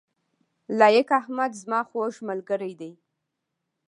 لائق احمد زما خوږ ملګری دی